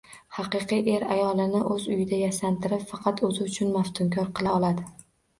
Haqiqiy er ayolini o‘z uyida yasantirib, faqat o‘zi uchun maftunkor qila oladi.